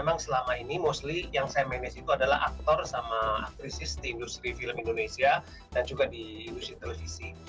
memang selama ini mostly yang saya manage itu adalah aktor sama aktris di industri film indonesia dan juga di industri televisi